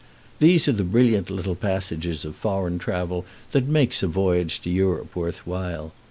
These are the brilliant little passages of foreign travel that make a voyage to Europe worth while.